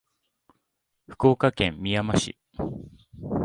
福岡県みやま市